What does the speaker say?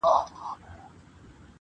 درېغه که مي ژوندون وي څو شېبې لکه حُباب,